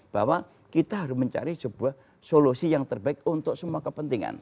bahwa kita harus mencari sebuah solusi yang terbaik untuk semua kepentingan